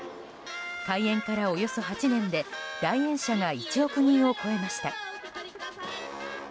開園からおよそ８年で来園者が１億人を超えました。